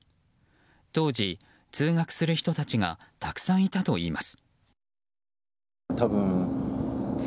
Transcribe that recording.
当時、通学する人たちがたくさんいたといいます。